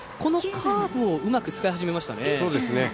カーブをうまく使い始めましたね。